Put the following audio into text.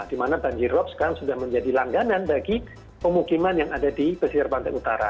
di mana banjir rob sekarang sudah menjadi langganan bagi pemukiman yang ada di pesisir pantai utara